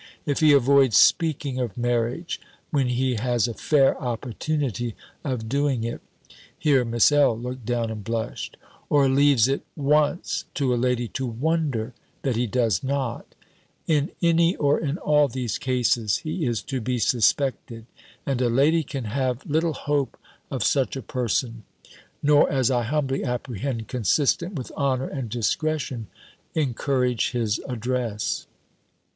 ] "If he avoids speaking of marriage, when he has a fair opportunity of doing it " [Here Miss L. looked down and blushed] "or leaves it once to a lady to wonder that he does not: "In any, or in all these cases, he is to be suspected, and a lady can have little hope of such a person; nor, as I humbly apprehend, consistent with honour and discretion, encourage his address."